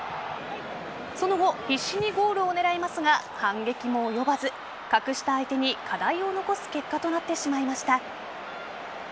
その後必死にゴールを狙いますが反撃も及ばず格下相手に課題を残す結果となってしまいました。